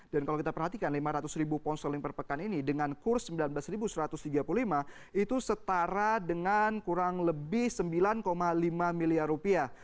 dan kalau kita perhatikan lima ratus ribu pound sterling per pekan ini dengan kurs sembilan belas satu ratus tiga puluh lima itu setara dengan kurang lebih sembilan lima miliar rupiah